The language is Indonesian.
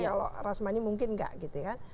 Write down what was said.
kalau rasmani mungkin enggak gitu kan